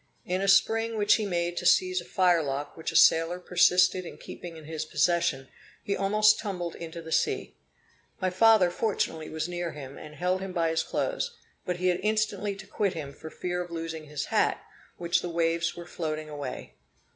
In a spring which he made to seize a firelock which a sailor persisted in keeping in his possession, he almost tumbled into the sea. My father fortunately was near him, and held him by his clothes, but he had instantly to quit him, for fear of losing his hat, which the waves were floating away.